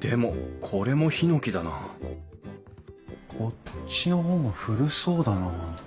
でもこれもヒノキだなこっちの方が古そうだなあ。